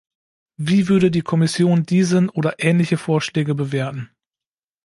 Wie würde die Kommission diesen oder ähnliche Vorschläge bewerten?